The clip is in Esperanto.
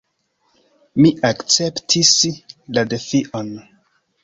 Mi akceptis la defion.